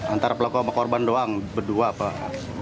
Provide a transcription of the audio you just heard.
antara pelaku sama korban doang berdua pak